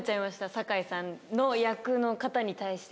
坂井さんの役の方に対して。